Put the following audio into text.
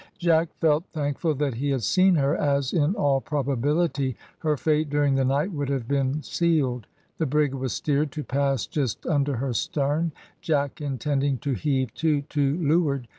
Jack felt thankful that he had seen her, as, in all probability, her fate during the night would have been sealed. The brig was steered to pass just under her stern, Jack intending to heave to to leeward.